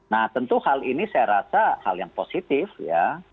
nah tentu hal ini saya rasa hal yang positif ya